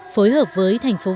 phối hợp với thành phố hà nội